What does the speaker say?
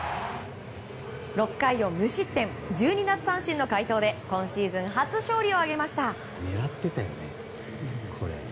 ６回を無失点１２奪三振の快投で今シーズン初勝利を挙げました。